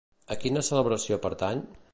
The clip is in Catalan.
A quina celebració pertany?